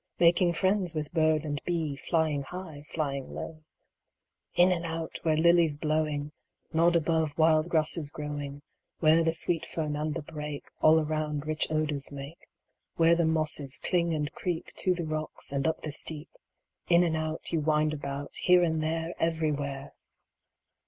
Making friends with bird and bee, Flying high, flying low ; 388 PERIWINKLE In and out, where lilies blowing Nod above wild grasses growing, Where the sweet fern and the brake All around rich odors make, Where the mosses cling and creep To the rocks, and up the steep — In and out You wind about, Here and there, Everywhere